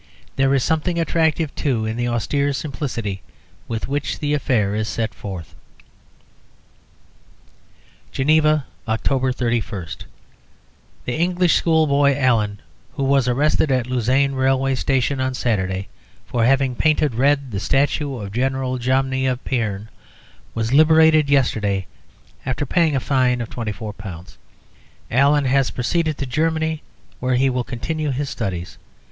There is something attractive, too, in the austere simplicity with which the affair is set forth "Geneva, Oct. 31. "The English schoolboy Allen, who was arrested at Lausanne railway station on Saturday, for having painted red the statue of General Jomini of Payerne, was liberated yesterday, after paying a fine of £24. Allen has proceeded to Germany, where he will continue his studies.